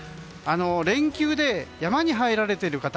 連休で山に入られている方